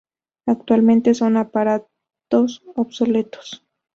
Actualmente son aparatos obsoletos.